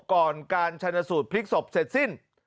ก่อนการชนสูตรพลิกศพเสร็จสิ้น